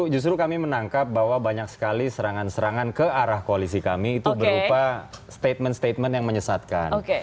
justru kami menangkap bahwa banyak sekali serangan serangan ke arah koalisi kami itu berupa statement statement yang menyesatkan